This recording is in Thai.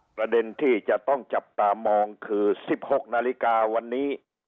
ประเด็นที่จะต้องจับตามองคือ๑๖นาฬิกาวันนี้